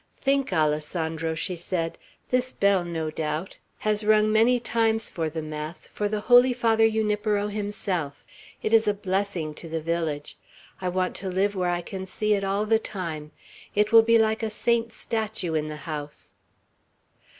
"Think, Alessandro," she said; "this bell, no doubt, has rung many times for the mass for the holy Father Junipero himself. It is a blessing to the village. I want to live where I can see it all the time. It will be like a saint's statue in the house."